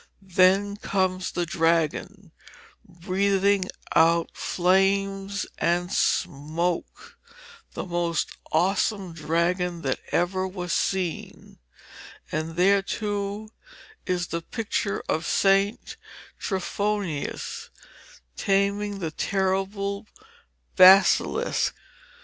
Then comes the dragon breathing out flames and smoke, the most awesome dragon that ever was seen; and there too is the picture of St. Tryphonius taming the terrible basilisk.